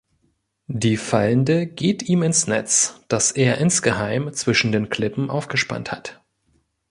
Die Fallende geht ihm ins Netz, das er insgeheim zwischen den Klippen aufgespannt hat.